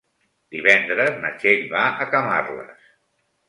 Divendres na Txell va a Camarles.